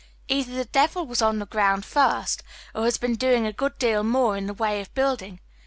Either the devil was on the ground fii'st, or he has been doing a good deal Jiioi'e in the \^ ay of bnilding.